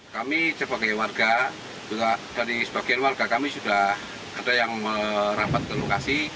kami sebagai warga juga dari sebagian warga kami sudah ada yang merapat ke lokasi